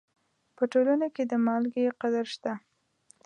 په ټولنه کې د مالګې قدر شته.